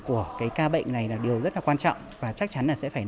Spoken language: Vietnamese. của cái ca bệnh này là điều rất là quan trọng và chắc chắn là sẽ phải